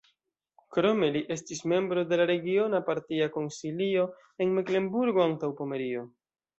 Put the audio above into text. Krome li estis membro de la regiona partia konsilio en Meklenburgo-Antaŭpomerio.